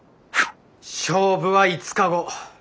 勝負は５日後。